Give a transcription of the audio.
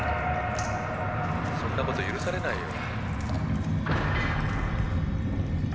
「そんなこと許されないよ」